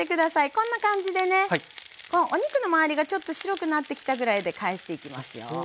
こんな感じでねお肉の周りがちょっと白くなってきたぐらいで返していきますよ。